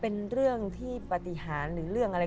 เป็นเรื่องที่ปฏิหารหรือเรื่องอะไร